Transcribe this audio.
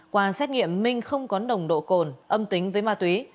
qua xét nghiệm minh không có nồng độ cồn âm tính với ma túy